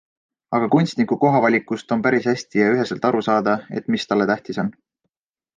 Aga kunstniku kohavalikust on päris hästi ja üheselt aru saada, et mis talle tähtis on.